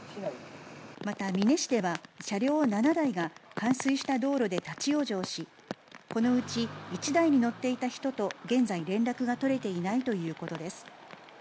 また美祢市では、車両７台が冠水した道路で立往生し、このうち１台に乗っていた人と、現在連絡が取れていないということです。